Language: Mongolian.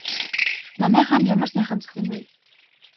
Манай хаанд ямар сайхан зохино вэ?